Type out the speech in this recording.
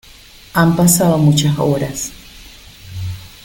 han pasado muchas horas.